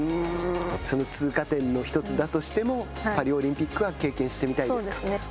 その通過点の１つだとしてもパリオリンピックは経験してみたそうですね。